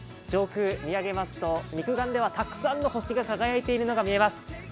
上空、見上げますと肉眼ではたくさんの星が輝いているのが見えます。